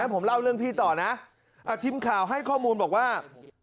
ผมเล่าเรื่องพี่ต่อนะทีมข่าวให้ข้อมูลบอกว่า